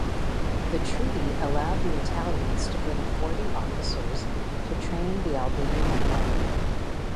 The Treaty allowed the Italians to bring forty officers to train the Albanian army.